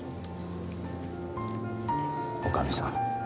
女将さん